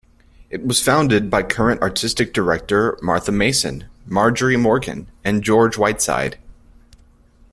It was founded by current artistic director Martha Mason, Marjorie Morgan and George Whiteside.